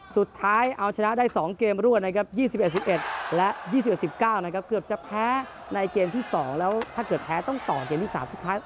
สุดท้ายเอาชนะได้๒เกมรวดนะครับ๒๑๑๑และ๒๑๑๙นะครับเกือบจะแพ้ในเกมที่๒แล้วถ้าเกิดแพ้ต้องต่อเกมที่๓สุดท้าย